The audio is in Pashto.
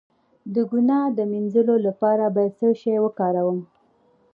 د ګناه د مینځلو لپاره باید څه شی وکاروم؟